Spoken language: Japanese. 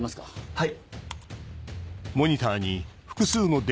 はい。